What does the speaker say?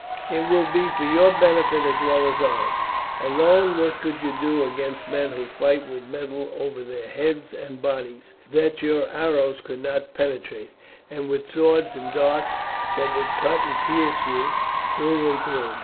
"It will be for your benefit as well as ours. Alone what could you do against men who fight with metal over their heads and bodies that your arrows could not penetrate, and with swords and darts that would cut and pierce you through and through?